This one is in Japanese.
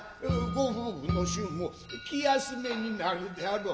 ご女夫の衆も気休めになるであろう。